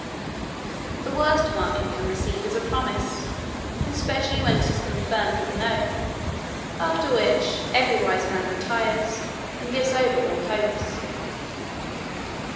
The worst mark you can receive is a promise, especially when it is confirmed with an oath; after which, every wise man retires, and gives over all hopes.